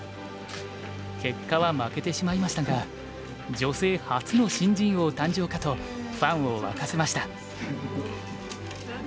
結果は負けてしまいましたが女性初の新人王誕生かとファンを沸かせました。